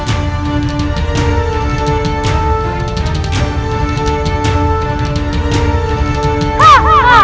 apa yang kamu lakukan mahesan